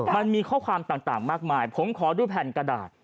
มันมีข้อความต่างมากมายผมขอดูแผ่นกระดาษ